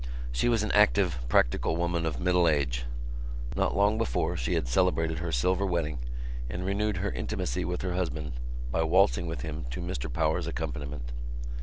She was an active, practical woman of middle age. Not long before she had celebrated her silver wedding and renewed her intimacy with her husband by waltzing with him to Mr Power's accompaniment.